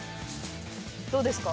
どうですか？